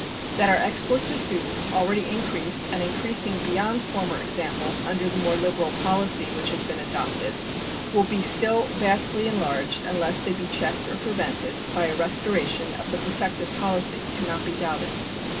That our exports of food, already increased and increasing beyond former example under the more liberal policy which has been adopted, will be still vastly enlarged unless they be checked or prevented by a restoration of the protective policy can not be doubted.